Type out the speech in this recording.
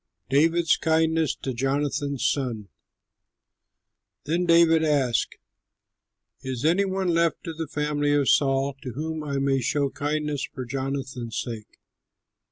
DAVID'S KINDNESS TO JONATHAN'S SON Then David asked, "Is any one left of the family of Saul to whom I may show kindness for Jonathan's sake?"